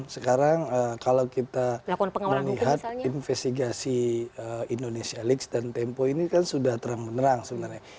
sekarang kalau kita melihat investigasi indonesia league dan tempo ini kan sudah terang menerang sebenarnya